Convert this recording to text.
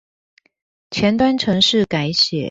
前端程式改寫